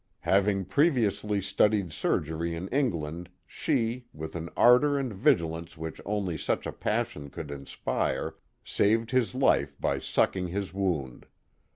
Having ptevlovisly studied surgery in England, she, with an ardor and vigilance which only such a passion could inspire, saved his life by sticking his wound.